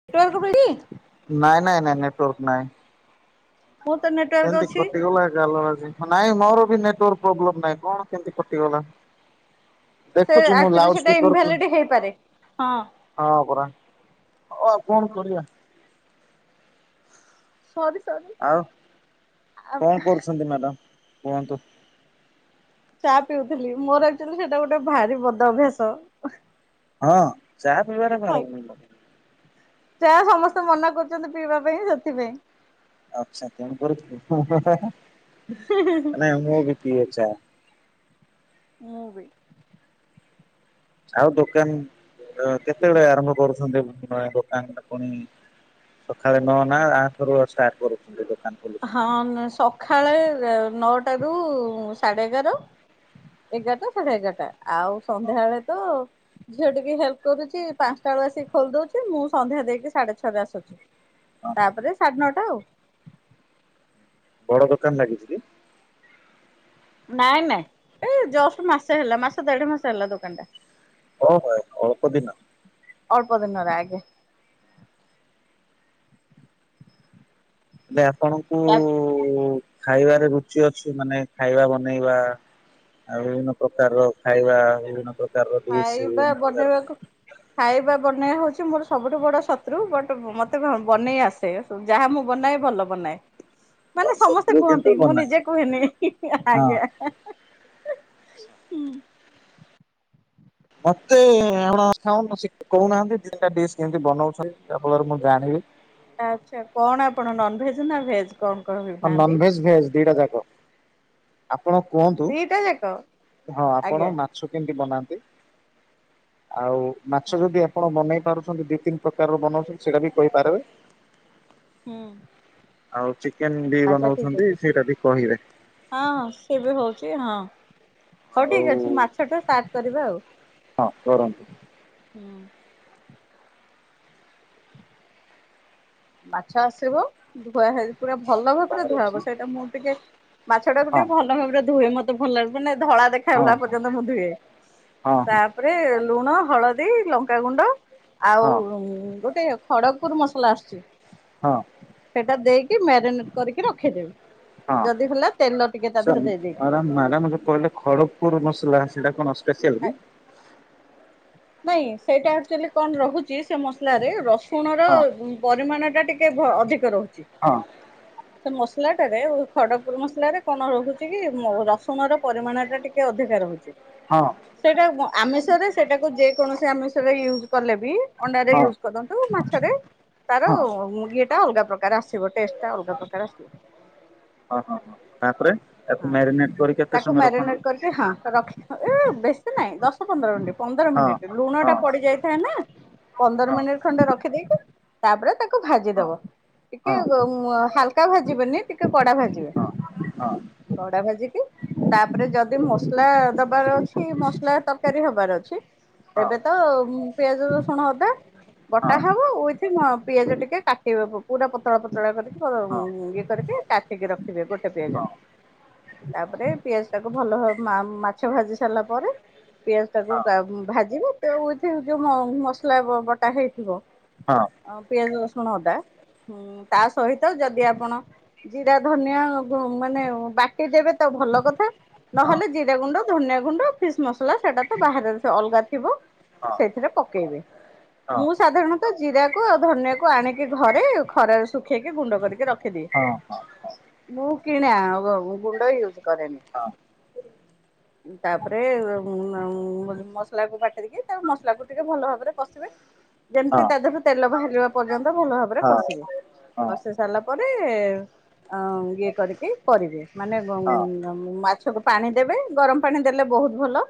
[unintelligible] ନାଇଁ ନାଇଁ ନାଇଁ ନେଟୱାର୍କ ନାହିଁ। ମୁଁ ତ ନେଟୱାର୍କ କେମିତି ଅଛି କଟିଗଲା ଗାଲ ବାଜିକି ନାଇଁ ମୋର ବି ନେଟୱାର୍କ ପ୍ରୋବ୍ଲେମ୍ ନାହିଁ କଣ କେମତି କଟିଗଲା। ସେ ଦେଖୁଛୁ ମୁଁ ଆକ୍ଚୁଆଲି ଲାଉଡସ୍ ସେଟା ସ୍ପିକରକୁ ଇନଭାଲିଡ ହେଇପାରେ। ହଁ ପରା ହଉ ଆଉ କଣ କରିବା? ସରି ସରି। ଆଉ ଆ କଣ କରୁଛନ୍ତି ମ୍ୟାଡ଼ାମ୍ କୁହନ୍ତୁ? ଚା ପିଉଥିଲି ମୋର ଆକ୍ଚ୍ୟଲି ସେଟା ଗୋଟେ ଭାରି ବଧ ଅଭ୍ୟାସ। ହଁ ଚା ପିଇବା ଟା ପାରମପରିକ। ଚା ସମସ୍ତେ ମନା କରୁଚନ୍ତି ପିଇବା ପାଇଁ ସେଥିପାଇଁ। ଆଚ୍ଛା ତେଣୁ କରି ହୁଁ ହୁଁ ହାଁ ହାଁ ନାଇଁ ମୁଁ ବି ପିଏ ଚା। ମୁଁ ବି। ଆଉ ଦୋକାନ ଅ କେତେବେଳେ ଆରମ୍ଭ କରୁଛନ୍ତି ଆଁ ଦୋକାନ ଟା ପୁଣି? ସକାଳେ ନ ନା ଆଥୁରୁ ଅଛା କରୁଛନ୍ତି ଦୋକାନ ଖୋଲୁଛନ୍ତି। ହଁ ନା ସଖାଳେ ନେ ନଅ ଟାରୁ ସାଢ଼େ ଏଗାର। ଏଗାର ଟା ସାଢ଼େ ଏଗାର ଟା ଆଉ ହଁ ସନ୍ଧ୍ୟା ବେଳେ ତ ଝିଅ ଟିକେ ହେଲ୍ପ କରୁଚି ପାଂଶଟା ବେଳୁ ଆସିକି ଖୋଲି ଦୋଉଛି ମୁଁ ସନ୍ଧ୍ୟା ଦେଇକି ସାଢ଼େ ଛଅଟାରେ ଆସୁଛି। ହଁ ତାପରେ ସାଢ଼େ ନଅ ଟା ଆଉ। ବଡ଼ ଦୋକାନ୍ ଲାଗିଚି କି? ନାଇଁ ନାଇଁ ଏ ଜଷ୍ଟ ମାସେ ହେଲା ମାସେ ଦେଢ଼ ମାସେ ହେଲା ଦୋକାନ୍ ଟା। ଓହେ ଅଳପ ଦିନ୍ ଅଳ୍ପ ଦିନର ଆଜ୍ଞା। ହେଲେ ଆପଣଙ୍କୁ ଖାଇବାରେ ରୁଚି ଅଛି ମାନେ ଖାଇବା ବନେଇବା ଆଉ ବିଭିନ୍ନ ପ୍ରକାର ର ଖାଇବା ବିଭିନ୍ନ ପ୍ରକାର ଖାଇବା ବନେଇ ବାକୁ ଖାଇବା ବନେଇବା ହୋଉଚି ମୋର୍ ସବୁଠୁ ବଡ଼ ଶତ୍ରୁ ବଟ୍ ଭ ମତେ ବନେଇ ଆସେ। ଯାହା ମୁଁ ବନାଏ ଭଲ ବନାଏ। [inaudible] ମାନେ ସମସ୍ତେ ଶତ୍ରୁ କିନ୍ତୁ କୁହନ୍ତି ମୁଁ ବନାଏ ନିଜେ କୁହେନି ହିଁ ହଁ। ଆଜ୍ଞା। ଏ ହୁଁ। ମତେ ଆପଣ [unintelligible] କହୁ ନାହାନ୍ତି ଦି ଟା ଡିସ୍ କେମିତି ବନୋଉଛନ୍ତି ଯାହା ଫଳରେ ମୁଁ ଜାଣିବି। ଆଛା କଣ ଆପଣ ନନଭେଜ୍ ନା ଭେଜ୍ କଣ କଣ କହୁ ନାହାନ୍ତି। ନନ୍ ଭେଜ୍ ଭେଜ୍ ଦି ଟା ଯାକ ଆପଣ କୁହନ୍ତୁ ଦିଟା ଯାକ ହଁ ଆପଣ ଆଜ୍ଞା ମା ମାଛ କେମିତି ବନାନ୍ତି ଆଉ ମାଛ ଯଦି ଆଚ୍ଛା ଆପଣ ବନେଇ ପାରୁ ଦୁଇ ତିନି ପ୍ରକାରର ବନାଉଛନ୍ତି ସେଟା ବି କହିପାରେ। ହୁଁ। ଆଉ ଚିକେନ୍ ବି ଆଚ୍ଛା ଠିକ ଅଛି ବନଉଛନ୍ତି ସେଇଟା ବି କହିବେ? ହଁ ହଁ ସେ ବି ହଉଛି ହଁ। ହଉ ଆଉ ଠିକ୍ ଅଛି ମାଛ ଟା ଷ୍ଟାର୍ଟ କରିବା ଆଉ ହଁ କରନ୍ତୁ। ହୁଁ। ବାଛା ଆସିବ ଧୁଆ ହେ ପୁରା ଭଲ ଭାବରେ ବାହାରେ ଅଛି। ଧୁଅବ ସେଇଟା ମୁଁ ଟିକେ ମାଛଟାକୁ ହଁ ଟିକେ ଭଲ ଭାବରେ ଧୁଏ ମତେ ଭଲ ଲାଗୁ ମାନେ ଧଳା ହଁ ଦେଖାଗଲା ହଁ ପର୍ଯ୍ୟନ୍ତ ମୁଁ ଧୁଏ ହଁ ତା ହଁ ଉପରେ ଲୁଣ ହଳଦୀ ଲଙ୍କାଗୁଣ୍ଡ ଆଉ ହଁ ଗୋଟେ ଖଡ଼ଗ ପୁର ମସଲା ଆସୁଛି। ହଁ। ସେଟା ଦେଇକି ମ୍ୟାରିନେଟ୍ କରିକି ରଖିଦେବି। ହଁ ଯଦି ହେଲା ତେଲ ଟିକେ ତା ସେମ୍ ଦେହରେ ଦେଇ ଦେଇକି ମ୍ୟାଡମ ମ୍ୟାଡମ କହିଲେ ଖଡପୁର ମସଲା ସେଇଟା କଣ ସ୍ପେଶସିଆଲ କି? ନାଇଁ ସେଇଟା ଆକ୍ଚୁଏଲି କଣ ରୋହୁଛି ସେ ମସଲା ରେ ରସୁଣର ହଁ। ପରିମାଣଟା ଟିକେ ଭ ଅଧିକ ରହୁଛି। ହଁ। ସେ ମସଲାଟାରେ ଖଡପୁର ମସଲା ରେ କଣ ରହୁଛି କି ରସୁଣ ର ପରିମାଣ ଟା ଟିକେ ଟିକେ ଅଧିକା ରହୁଛି। ହଁ। ସେଇଟା ଆମିଷରେ ସେଟାକୁ ଯେ କୌଣସି ଆମିଷରେ ୟୁଜ କଲେ ବି ଅଣ୍ଡାରେ ହଁ ୟୁଜ୍ କରନ୍ତୁ ମାଛରେ ତାର ହଁ ହଁ ଉଁ ଇଏ ଟା ଅଲଗା ପ୍ରକାର ଆସିବ, ଟେଷ୍ଟଟା ଅଲଗା ପ୍ରକାର ଆସିବ। ଓ -ହ- ହ ତାପରେ ତାକୁ ହଁ। ମ୍ୟାରିନେଟ କରି କେତେ ସମୟ ରଖନ୍ତି? ରଖ ଏ ବେଶୀ ନାଇଁ, ଦଶ ପନ୍ଦର ମିନିଟ ପନ୍ଦର ହଁ ମିନିଟ ହଁ ଲୁଣଟା ପଡିଯାଇ ଥାଏ ନା, ପନ୍ଦର ହଁ ମିନିଟ ଖଣ୍ଡେ ରଖିଦେଇକି ତାପରେ ତାକୁ ହଁ ହଁ ଭାଜିଦବ, ଟିକେ ହଁ ହାଲକା ଭାଜିବେନି, ଟିକେ କଡା ଭାଜିବେ ହଁ ହଁ ହଁ କଡା ଭାଜିକି ତାପରେ ଯଦି ମସଲା ଦବାର ଅଛି, ମସଲା ତରକାରୀ ହବାର ଅଛି ହଁ ହଁ ତେବେ ତ ପିଆଜ, ରସୁଣ, ଅଦା ବଟା ହଁ ହେବ ଉଇଥି ପିଆଜ ଟିକେ କାଟ ପୁରା ପତଳା ପତଳା କରିକି, ହଁ ହଁ ହଁ ଇଏ କରିକି କା ଟିକି ରଖିବେ ଗୋଟେ ପିଆ ହଁ। ତାପରେ ପିଆଜଟାକୁ ଭଲ ଭାବ ମା-ମାଛ ଭାଜି ସାରିଲା ପରେ, ପିଆଜ ଟାକୁ ଭାଜିବେ, ତ ଉଇଥ୍ ଯୋଉ ମସଲା ବଟା ହେଇଥିବ ହଁ ଅ ପିଆଜ, ରସୁଣ, ଅଦା। ତା ସହିତ ଯଦି ଆପଣ ଜିରା, ଧନିଆ ମାନେ ବାଟି ଦେବେ ତ ଭଲ କଥା। ନହେଲେ ଜିରା ଗୁଣ୍ଡ, ଧନିଆ ଗୁଣ୍ଡ, ଫିସ୍ ମସଲା ସେଟା ତ ବାହାରେ ସେ ଅଲଗା ଥିବ, ସେଇଥିରେ ପକେଇବେ। ମୁଁ ସାଧାରଣତଃ, ଜିରାକୁ ଆଉ ଧନିଆକୁ ଆଣିକି ଘରେ ଖରାରେ ଶୁଖେଇକି ଗୁଣ୍ଡ କରିକି ରଖିଦିଏ। ହଁ- ହଁ। ମୁଁ କିଣା ଗୁଣ୍ଡ ୟୁଜ୍ କରେନି। ତାପରେ ଉଁ ମସଲାକୁ ପକେଇିକି ତା ମସଲାକୁ ଟିକେ ଭଲ ଭାବରେ କଷିବେ, ଯେମିତି ତା ଦେହରେ ତେଲ ବାହାରିବା ପର୍ଯ୍ୟନ୍ତ ଭଲ ଭାବରେ କଷିବେ, କଷି ସାରିଲା ପରେ ଅ ଇଏ କରିକି କରିବେ, ମାନେ ମ - ମ - ମ ମାଛକୁ ପାଣି ଦେବେ ଗରମ ପାଣି ଦେଲେ ବହୁତ ଭଲ।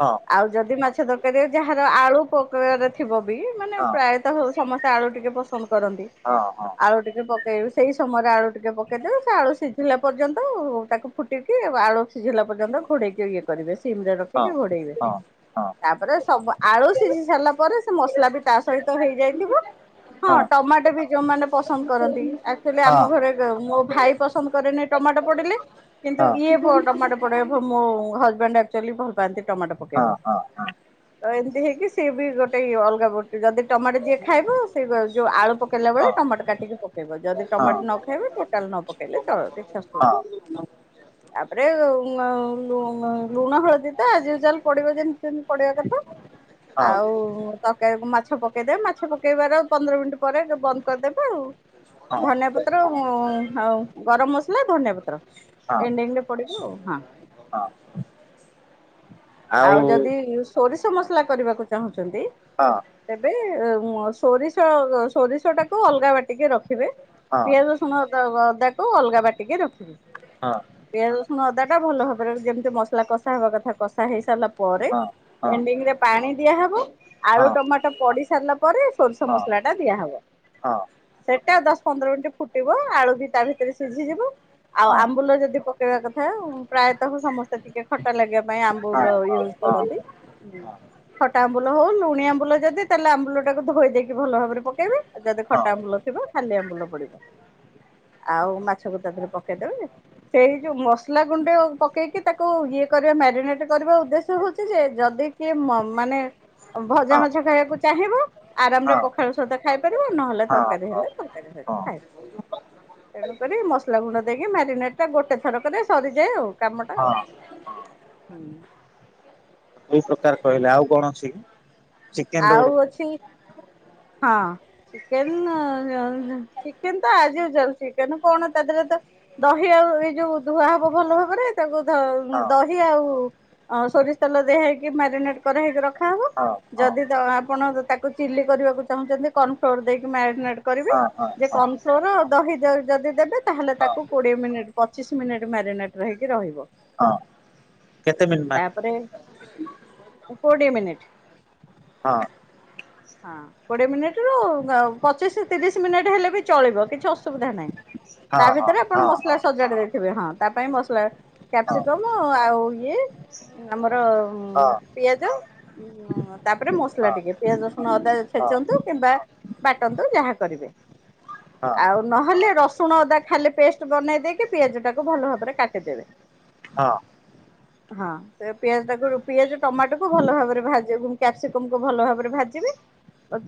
ହଁ। ଆଉ ଯଦି ମାଛ ତରକାରୀ ଯାହାର ଆଳୁ ପକେଆର ଥିବ ବି, ମାନେ ପ୍ରାୟତଃ ସମସ୍ତେ ସେ ଆଳୁ ଟିକେ ପସନ୍ଦ କରନ୍ତି। ହଁ ହଁ ଆଳୁ ଟିକେ ପକେଇବେ, ସେଇ ସମୟରେ ଆଳୁ ଟିକେ ପକେଇଦେବେ। ସେ ଆଳୁ ସିଝିଲା ପର୍ଯ୍ୟନ୍ତ, ତାକୁ ଫୁଟିକି ଆଳୁ ସିଝିଲା ପର୍ଯ୍ୟନ୍ତ ଘୋଡ଼େଇକି ଇଏ କରିବେ, ସିମରେ ହଁ ରଖିକି ଘୋଡ଼େଇବେ। ହଁ ହଁ। ତାପରେ ସବୁ ଆଳୁ ହଁ ସିଝି ସାରିଲା ପରେ, ସେ ମସଲା ବି ତା ସହିତ ହେଇଯାଇଥିବ। ହଁ ଟମାଟ ବି ଯୋଉମାନେ ପସନ୍ଦ କରନ୍ତି। ଆକ୍ଚୁଆଲି ହଁ ଆମ ଘରେ ମୋ ଭାଇ ପସନ୍ଦ କରେନି ଟମାଟ ପଡିଲେ, ହଁ କିନ୍ତୁ ହଁ। ଇଏ ଟମାଟ ମୋ ହଜବେଣ୍ଡ ଆକ୍ଚୁ ଲି ଭଲ ପାଆନ୍ତି ଟମାଟୋ ହଁ ପକେଇଲେ। ହଁ ହଁ ତ ଏମିତି ହେଇକି ସିଏ ବି ଗୋଟେ ଅଲଗା ବଟା, ଯଦି ଟମାଟୋ ଯିଏ ଖାଇବ ସେ ଯୋଉ ଆଳୁ ପ ପକେଇଲା ବବେଳେ ଟମାଟ କାଟିକି ପକେଇବ, ଯଦି ଟମାଟ ନ ଖାଇବେ ଟୋଟାଲ ନ ପକେଇଲେ ଚଳିବ କିଛି ଅସୁ ହଁ। ତାପରେ ଲୁଣ ହଳଦୀ ତ ଆଜ ୟୁଜାଲ ପଡିବ ଯେମ ମିତି ପଡିଆ କଥା, ଆଉ ତ [unintelligible] ମାଛ ପକେଇଦେବେ, ମାଛ ପକେଇବାର ପନ୍ଦର ମିନିଟ୍ ପରେ ବନ୍ଦ କରିଦେବେ ଆଉ। ହଁ ହଁ। ଧନିଆପତ୍ର ଆଉ ଗରମ ମସଲା, ଧନିଆ ପତ୍ର ଏନ୍ଡିଙ୍ଗ ରେ ପଡିବ ଆଉ ହଁ। ହଁ ଆଉ ଯଦି ସୋରିଷ ମସଲା କରିବାକୁ ଚାହୁଁଛନ୍ତି ହଁ। ତେବେ ସୋରିଷ, ସୋରିଷଟାକୁ ଅଲଗା ବାଟିକି ରଖିବେ। ହଁ ହଁ ପିଆଜ, ରସୁଣ, ଅଦା ଅଦାକୁ ଅଲଗା ବାଟିକି ରଖିବେ। ହଁ ହଁ ପିଆଜ, ରସୁଣ, ଅଦାଟା ଭଲ ଭାବରେ ଯେମିତି ମସଲା କଷା ହବା କଥା। କଷା ହେଇ ସାରିଲା ପରେ ହଁ। ହଁ ହଁ ହଁ ହଁ ହଁ ହଁ ହଁ ହଁ। ହଁ ଏଣ୍ଡିଙ୍ଗ ରେ ପାଣି ଦିଆହବ ଆଳୁ ହଁ ଟମାଟ ପଡି ସାରିଲା ପରେ, ସୋରିଷ ମସଲାଟା ଦିଆହବ। ହଁ ସେଇଟା ଦଶ ପନ୍ଦର ମିନିଟ ଫୁଟିବ ଆଳୁ ବି ତା ଭିତରେ ସିଝିଯିବ ଆଉ ଆମ୍ବୁଲ ଯଦି ପକେଇବା କଥା ପ୍ରାୟତଃ ସମସ୍ତେ ଟିକେ ଖଟା ଲାଗିବା ପାଇଁ ଆମ୍ବୁଲ ୟୁଜ୍ କରନ୍ତି। ଖଟା ଆମ୍ବୁ ହଉ ଲୁଣି ଆମ୍ବୁଲ ଯଦି ତାହେଲେ ଆମ୍ବୁ ଟାକୁ ଧୋଇ ଦେଇକି ଭଲ ଭାବରେ ପକବେ ଯଦି ଖଟା ଆମ୍ବୁଲ ଥିବ ଖାଲି ଆମ୍ବୁଲ ପଡିବ। ହୁଁ ଆଉ ମାଛକୁ ତା ଦେରେ ପକେଇଦବେ ସେଇ ଯୋଉ ମସଲା ଗୁଣ୍ଡ ପକେଇକି ତାକୁ ଇଏ କରିବା ମ୍ୟାରିନେଟ କରିବା ଉଦ୍ଦେଶ୍ୟ ହଉଛି ଯେ ଯଦି କିଏ ମାନେ ଭଜା ମାଛ ଖାଇବାକୁ ଚାହିଁବ ହଁ ଆରାମରେ ପଖାଳ ତା ସହିତ ଖାଇପାରିବ ନହେଲେ ତରକାରୀ ହେଲେ ତରକାରୀ ଖାଇବ। ହ ତେଣୁ କରି ମସଲା ଗୁଣ୍ଡ ଦେଇକି ମ୍ୟାରିନେଟ୍ ଟା ଗୋଟେ ଥରକରେ ସରିଯାଏ ଆଉ କାମଟା ଆଉ ହଁ। ହୁଁ। ଏଇ ପ୍ରକାର କହିଲେ ଆଉ କଣ ଅଛି କି? ଚିକେନ ର ଆଉ ଗୋଟେ ଅଛି ହଁ। ଚିକେନ ଚିକେନ ତ ଆଯା ଉଜାଲ ଚିକେନ କଣ ତା ଦେହରେ ତ ଦହି ଆଉ ଏଇ ଯୋଉ ଧୁଆ ହବ ଭଲ ଭାବରେ ତାକୁ ହଁ ଦହି ଆଉ ସୋରିଷ ତେଲ ଦିଆ ହେଇକି ମ୍ୟାରିନେଟ କରାହେଇକି ରଖାହବ। ହଁ ହଁ। ଯଦି ଆପଣ ତାକୁ ଚିଲି କରିବାକୁ ଚାହୁଁଛନ୍ତି କର୍ଣ ଫ୍ଲୋର ଦେଇକି ମ୍ୟାରିନେଟ କରିବେ। ହଁ ହଁ ଯେ କର୍ଣ ହଁ ଫ୍ଲୋର ଦହି ଯଦି ଦେବେ ତାହେଲେ ତାକୁ କୋଡ଼ିଏ ମିନିଟ୍ ପଚିଶ ମିନିଟ୍ ମ୍ୟାରିନେଟ୍ ରହିକି ରହିବ। ହଁ। କେତେ ମିନିଟ୍ ମାରିଲ ତାପରେ କୋଡିଏ ମିନିଟ୍ ହଁ। ହଁ କୋଡିଏ ମିନିଟ ରୁ ପଚିଶ ତିରିଶ ମିନିଟ୍ ହେଲେ ବି ଚଳିବ କିଛି ଅସୁବିଧା ନାହିଁ। ହଁ ତା ହଁ ଭିତରେ ଆପଣ ହଁ ମସଲା ସଜାଡି ଦେବେ। ହଁ ତା ପାଇଁ ମସଲା ହଁ କ୍ୟାପସିକମ୍ ଆଉ ଇଏ ଆମର ହଁ। ପିଆଜ ତାପରେ ମସଲା ହଁ ଟିକେ ପିଆଜ ରଶୁଣ ଅଦା ହଁ ହଁ ହଁ ହଁ ଛେଚନ୍ତୁ କିମ୍ବା ବାଟନ୍ତୁ ଯାହା କରିବେ ଆଉ। ନହେଲେ ରସୁଣ ଅଦା ଖାଲି ପେଷ୍ଟ ବନେଇ ଦେଇକି ପିଆଜ ଟାକୁ ଭଲ ଭାବରେ କାଟିଦେବେ। ହଁ। ହଁ ସେ ପିଆଜ ଟା ପିଆଜ ଟମାଟୋ କୁ ଭଲ ଭାବରେ ଭାିବ କ୍ୟାପ୍ସିକମ କୁ ଭଲ ଭାବରେ ଭାଜିବେ।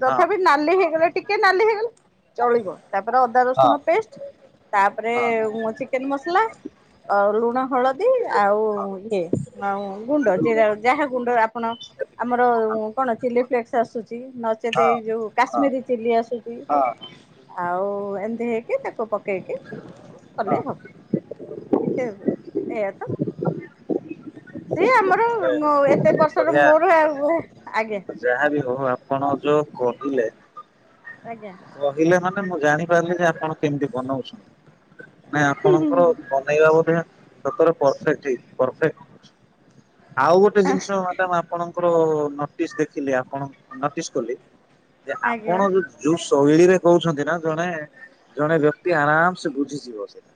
ତଥାପି ନାଲି ହେଇଗଲେ ଟିକେ ନାଲି ହେଇଗଲେ ଚଳିବ। ତାପରେ ଅଦା ରସୁଣ ପେଷ୍ଟ ତାପରେ ଚିକେନ ମସଲା ଅ ଲୁଣ ହଳଦୀ ଆଉ ଇଏ ଆଉ ଗୁଣ୍ଡରା ଯାହା ଗୁଣ୍ଡ ଆପଣ ଆମର କଣ ଚିଲି ଫ୍ଲେକ୍ସ ଆସୁଛି। ନଚେତ ଏଇ ଯୋଉ କାଶ୍ମୀରୀ ଚିଲି ଆସୁଛି ହଁ ହଁ ଆଉ ଏମିତି ହେଇକି ତାକୁ ପକେଇକି କଲେ ହବ। ଏ ଏଇଆ ତ ସିଏ ଆମର। ହଁ ଏତେ ବର୍ଷର ମୋର ଆଉ ଆଜ୍ଞା। ଯାହା ବିି ହଉ ଆପଣ ଯୋଉ କହିଲେ ଆଜ୍ଞା। କହିଲେ ମାନେ ମୁଁ ଜାଣିପାରିଲି ଯେ ଆପଣ କେମିତି ବନଉଛନ୍ତି ନା ଆପଣଙ୍କର ବନେଇ ବାବୁ ସତରେ ପରଫେକ୍ଟ ହେଇଚି ପରଫେକ୍ଟ। ଆଉ ଗୋଟେ ଜିନିଷ ମାନେ ଆପଣଙ୍କୁ ଙ୍କ ନୋଟିସ ଦେଖିଲି ଆପଣ ନୋଟିସ୍ କଲି ଯେ ଆଜ୍ଞା ଆପଣ ଯଦି ଯୋଉ ଶୈଳୀରେ କହୁଛନ୍ତି ନା ଜଣେ ଜଣେ ବ୍ୟକ୍ତି ଆରାମ ସେ ବୁଝିଯିବ ସେଇଟା।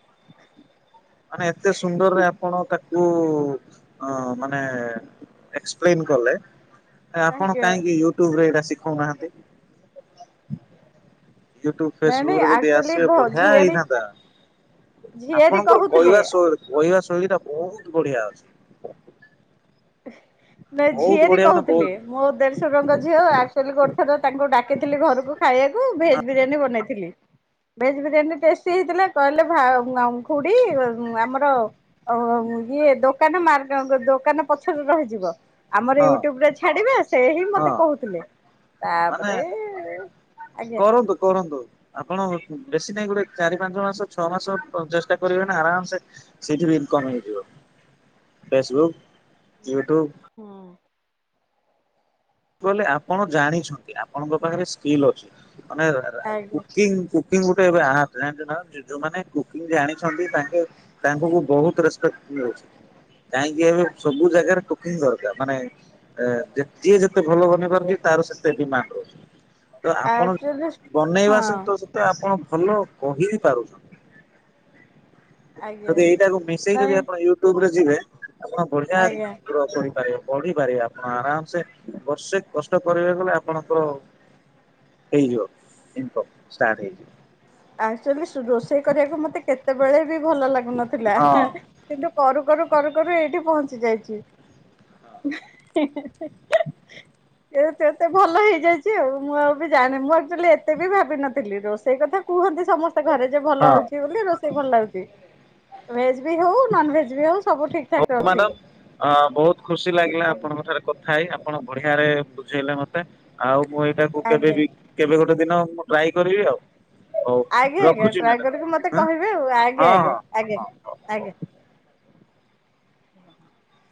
[inaudible] ମାନେ ଏତେ ସୁନ୍ଦରରେ ଆପଣ ତା କ ଅ ମାନେ ଏସପ୍ଲେନ କଲେ ଆପଣ ଆଜ୍ଞା କାହିଁକି ୟୁଟ୍ୟୁବ ରେ ଏଇଟା ଶିଖଉନାହାନ୍ତି। ୟୁଟ୍ୟୁବ ନାଇଁ ଫେସବୁକ ନାଇଁ ରେ ଯଦି ଆକ୍ଚୁଆଲି ଆସିବେ ବଢିଆ ଝିଆରୀ ହେଇଥାନ୍ତା। ଝିଆରୀ ଆପଣଙ୍କର କହୁଥିଲେ କହିବା ଶୈଳ କହିବା ଶୈଳୀ ଟା ବହୁତ ବଢିଆ ଅଛି। ନା ବହୁତ ଝିଅ ଟି ବଢିଆ ମାନେ ବହୁତ କହୁଥିଲେ। ମୋ ଦେଶଶୁରଙ୍କ ଝିଅ ଆଚୁଆଲି ଗୋଟେ ଥର ତାଙ୍କୁ ଡାକିଥିଲି ଘରକୁ ଖାଇବାକୁ ଭେଜ ବିରିୟାନୀ ବନେଇଥିଲି। ଭେଜ ବିରିୟାନୀ ଟେଷ୍ଟି ହେଇଥିଲା କହିଲେ ଭା ଉଁ ଆଁ ଉଁ ଖୁଡି ଆମର ଅ ଇଏ ଦୋକାନ ମାର୍ଗ ଦୋକାନ ପଛରେ ରହିଯିବ ଆମର ହଁ ୟୁଟ୍ୟୁବ ରେ ଛାଡିବେ ସେ ହିଁ ହଁ ମତେ କହୁଥିଲେ। ମାନେ ତାପରେ ଏ କରନ୍ତୁ କରନ୍ତୁ। ଆପଣ ବେଶୀ ନାହିଁ ଗୋଟେ ଚାରି ପାଞ୍ଚ ମାସ ଛଅ ମାସ ଚେଷ୍ଟା କରିବେ ନା ଆରାମସେ ସେଇଥି ବି ଇନ କମ ହେଇଯିବ ଫେସବୁକ୍, ୟୁଟ୍ୟୁବ। ହଁ। କହିଲେ ଆପଣ ଜାଣିଛନ୍ତି ଆପଣଙ୍କ ପାଖରେ ସ୍କିଲ୍ ଅଛି ମାନେ ଆଜ୍ଞା କୁକିଂ କିଂ ଗୋଟେ ଆପ୍ ଜନିଚନା ଯୋଉମାନେ କୁକିଂ ଜାଣିଛନ୍ତି ତାଙ୍କେ ତାଙ୍କୁ ମୁ ବହୁତ ରେସ୍ପେକ୍ଟ ମିଳୁଚି। କାହିଁକି ଏବେ ସବୁ ଜାଗାରେ ଟୋକି ଦରକାର ମାନେ ଯିଏ ଯେତେ କେତେ ଭଲ ବନେଇ ପାରନ୍ତି ତାର ସେତେ ଡିମାଣ୍ଡ ରହୁଛି ତ ଆପଣ ଆକ୍ଚୁଆଲି ହଁ ବନେଇବା ସହିତ ତ ଆପଣ ଭଲ କହି ବି ପାରୁଛନ୍ତି। ଆଜ୍ଞା ଯଦି ଏଇଟାକୁ ମିଶେଇ ଯଦି ନାଇଁ ଆପଣ ୟୁଟ୍ୟୁବରେ ଯିବେ ଆପଣ ବଢିଆ ଆଜ୍ଞା। ପ୍ରୋ କରିପାରିବେ ପଢିପାରିବେ ଆପଣ ଆରାମ ସେ ବର୍ଷେ କଷ୍ଟ କରିବାକୁ ଗଲେ ଆପଣଙ୍କର [unintelligible] ଆଚୁଆଲି ରୋଷେଇ କରିବାକୁ ମତେ କେତେବେଳେ ବି ଭଲ ଲାଗୁନଥିଲା। ହଁ କିନ୍ତୁ କରୁ କରୁ କରୁ କରୁ ଏଇଠି ପହଞ୍ଚି ଯାଇଛି। [unintelligible] ଏ ତ ଏତେ ଭଲ ହେଇଯାଇଛି ଆଉ ମୁଁ ଆଉ ବି ଜାଣିନି ମୁଁ ଆକ୍ଚୁଆଲି ଏତେ ବି ଭାବିନଥିଲି ରୋଷେଇ କଥା କୁହନ୍ତି ସମସ୍ତେ ଘରେ ଯେ ଭଲ ହଁ ହଉଛି ବୋଲି ରୋଷେଇ ଭଲ ଲାଗୁଛି ଭେଜ୍ ବି ହଉ ନନ ଭେଜ ବି ହଉ ସବୁ ଠିକ୍। ମ୍ୟାଡମ ବହୁତ ଖୁସି ଲାଗିଲା ଆଜ୍ଞା ଆପଣଙ୍କ ଠାରେ କଥା ହେଇ ଆପଣ ବଢିଆରେ ବୁଝେଇଲେ ମ ଆଉ ମୁଁ ଏଇଟାକୁ କେବେ ଆଜ୍ଞା। ବି କେବେ ଗୋଟେ ଦିନ ମୁଁ ଟ୍ରାଏ କରିବି ଆଉ। ହଉ ଆଜ୍ଞା ଆଜ୍ଞା ରଖୁଛି ଟ୍ରାଏ ମ୍ୟାଡ଼ାମ କରିକି ମତେ ହଁ କହିବେ ଆଉ ଆଜ୍ଞା ହଁ। ଆଜ୍ଞା ହଁ। ଆଜ୍ଞା ଆଜ୍ଞା। [inaudible]